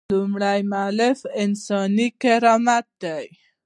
لومړۍ مولفه انساني کرامت دی.